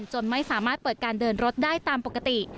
จนไม่สามารถเปิดการเดินรถได้ตามปกติ